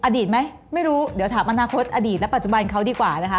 ดีไหมไม่รู้เดี๋ยวถามอนาคตอดีตและปัจจุบันเขาดีกว่านะคะ